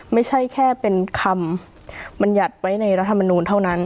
ไม่ใช่แค่เป็นคำมันหยัดไว้ในรัฐธรรมนุษย์เท่านั้น